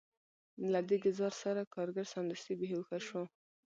له دې ګزار سره کارګر سمدستي بې هوښه شو